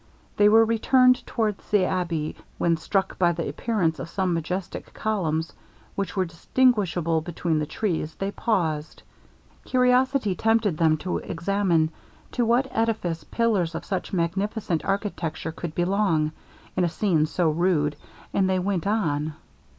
They were returning towards the abbey, when struck by the appearance of some majestic columns which were distinguishable between the trees, they paused. Curiosity tempted them to examine to what edifice pillars of such magnificent architecture could belong, in a scene so rude, and they went on.